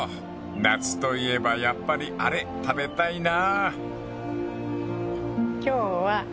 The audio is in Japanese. ［夏といえばやっぱりあれ食べたいな］